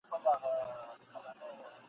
له آدمه تر دې دمه ټول پیران یو !.